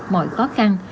mọi khó khăn